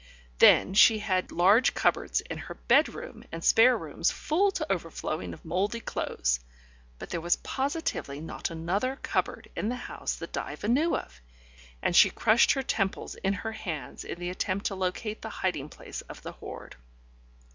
Then she had large cupboards in her bedroom and spare rooms full to overflowing of mouldy clothes, but there was positively not another cupboard in the house that Diva knew of, and she crushed her temples in her hands in the attempt to locate the hiding place of the hoard.